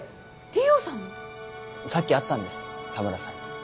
さっき会ったんです田村さんに。